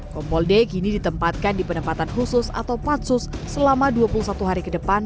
kompol d kini ditempatkan di penempatan khusus atau patsus selama dua puluh satu hari ke depan